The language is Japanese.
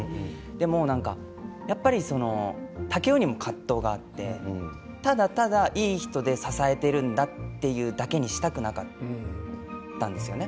でも何かやっぱりその竹雄にも葛藤があってただただいい人で支えているんだっていうだけにしたくなかったんですよね。